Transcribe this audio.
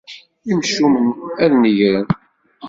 Imcumen ad negren.